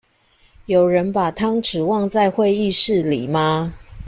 有人把湯匙忘在會議室裡嗎？